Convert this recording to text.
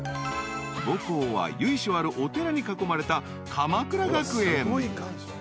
［母校は由緒あるお寺に囲まれた］